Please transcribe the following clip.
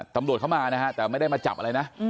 ตำรวจเข้ามานะฮะแต่ไม่ได้มาจับอะไรนะ